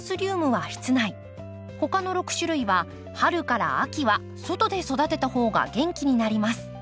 他の６種類は春から秋は外で育てた方が元気になります。